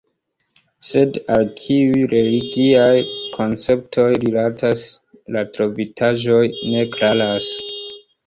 Sed al kiuj religiaj konceptoj rilatas la trovitaĵoj, ne klaras.